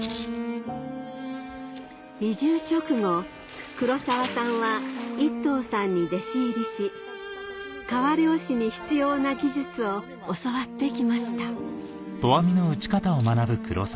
移住直後黒澤さんは一藤さんに弟子入りし川漁師に必要な技術を教わってきました